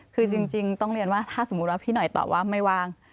คือจริงต้องเรียนว่าถ้าสมมุติว่าพี่หน่อยตอบว่าไม่ว่าง